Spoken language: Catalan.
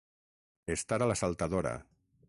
Estar a la saltadora.